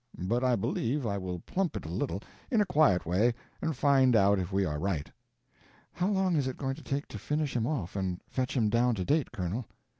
But I believe I will pump it a little, in a quiet way, and find out if we are right." "How long is it going to take to finish him off and fetch him down to date, Colonel?"